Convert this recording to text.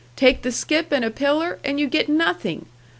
Take the skip and a pillar, and you get nothing!